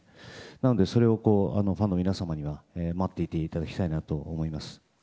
なのでそれをファンの皆様にも待っていただきたいと思います。